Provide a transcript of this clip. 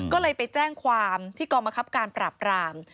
ก็เลยไปแจ้งความที่กรมคับการปราบราม